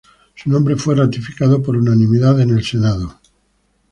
Su nombre fue ratificado por unanimidad en el Senado.